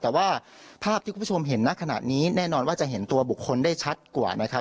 แต่ว่าภาพที่คุณผู้ชมเห็นณขณะนี้แน่นอนว่าจะเห็นตัวบุคคลได้ชัดกว่านะครับ